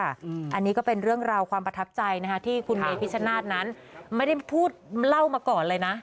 อันนี้ก็เป็นเรื่องราวความประทับใจที่คุณเมพิชชนาธิ์นั้นไม่ได้พูดเล่ามาก่อนเลยนะ